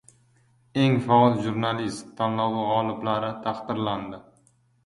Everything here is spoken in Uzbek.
"Eng faol jurnalist" tanlovi g‘oliblari taqdirlandi